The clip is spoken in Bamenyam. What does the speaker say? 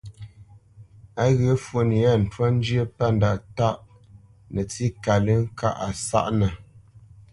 Á ghyə̂ fwo nye yâ ntwá njyə́ pə̂ tâʼ nətsí kalə́ŋ kâʼ a sáʼnə̄.